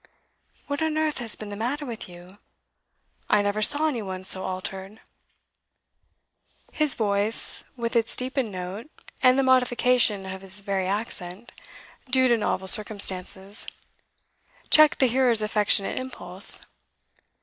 'What on earth has been the matter with you? I never saw any one so altered.' His voice, with its deepened note, and the modification of his very accent, due to novel circumstances, checked the hearer's affectionate impulse.